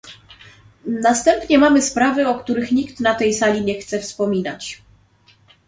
Następnie mamy sprawy, o których nikt na tej sali nie chce wspominać